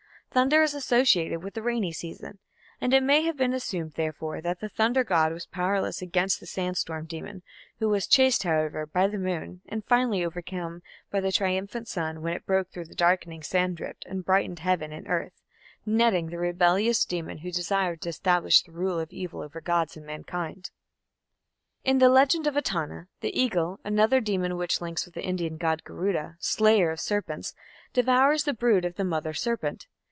Thunder is associated with the rainy season, and it may have been assumed, therefore, that the thunder god was powerless against the sandstorm demon, who was chased, however, by the moon, and finally overcome by the triumphant sun when it broke through the darkening sand drift and brightened heaven and earth, "netting" the rebellious demon who desired to establish the rule of evil over gods and mankind. In the "Legend of Etana" the Eagle, another demon which links with the Indian Garuda, slayer of serpents, devours the brood of the Mother Serpent.